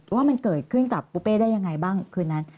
ว่ามันเกิดขึ้นกับปูเป้ได้ยังไงบ้างคืนนั้น